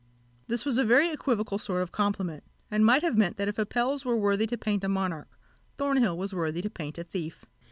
This was a very equivocal sort of compliment, and might have meant, that if Apelles were worthy to paint a monarch, Thornhill was worthy to paint a thief.